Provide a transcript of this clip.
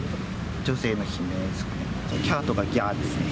女性の悲鳴ですかね。